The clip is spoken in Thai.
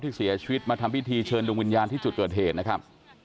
เสียชีวิตมาทำพิธีเชิญดวงวิญญาณที่จุดเกิดเหตุนะครับ